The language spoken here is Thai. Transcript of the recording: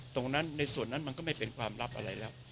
ตรงนั้นในส่วนนั้นมันก็ไม่เป็นความลับอะไรแล้ว